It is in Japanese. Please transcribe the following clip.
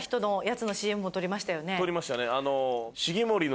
撮りましたね。